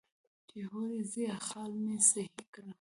چې هورې ځې خال مې سهي کړه.